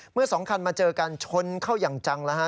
เมื่อสองคันมาเจอกันชนเข้าอย่างจังแล้วฮะ